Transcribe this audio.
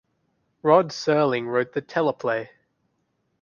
Rod Serling wrote the teleplay.